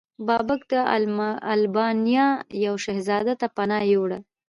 بابک د البانیا یو شهزاده ته پناه یووړه.